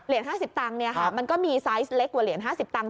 ๕๐ตังค์มันก็มีไซส์เล็กกว่าเหรียญ๕๐ตังค์